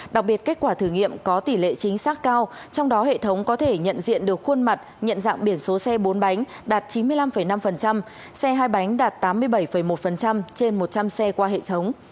đặc biệt kết quả thử nghiệm có tỷ lệ chính xác cao trong đó hệ thống có thể nhận diện được khuôn mặt nhận dạng biển số xe bốn bánh đạt chín mươi năm năm xe hai bánh đạt tám mươi bảy một trên một trăm linh xe qua hệ thống